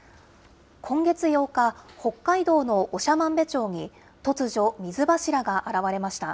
今月８日、北海道の長万部町に、突如、水柱が現れました。